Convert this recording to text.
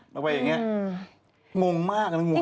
มองมากนักงูเห่ามันพ่นอยู่ดิ